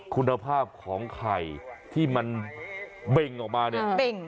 คุณภาพของไข่ที่มันเบ่งออกมาเนี่ย